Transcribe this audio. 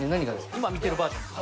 今見てるバージョン。